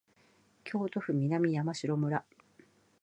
京都府南山城村